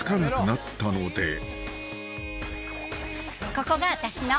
ここが私の。